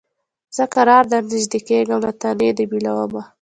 زه کرار درنیژدې کېږم له تنې دي بېلومه